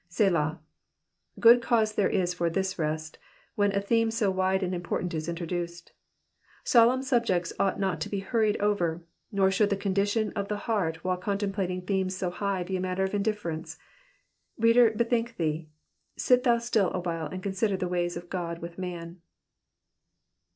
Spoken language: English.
Selah. Good cause there is for this rest, when a theme so wide and important is introduced. Solemn subjects ought not to be hurried over ; nor should the condition of the heart while contemplating themes so high be a matter of indifference. Header, bethink thee. Sit thou still awhile and consider the ways of God with man.